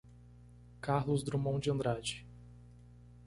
Carlos Drummond de Andrade.